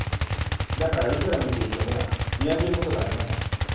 だからいくら見ていても見飽きることがありません。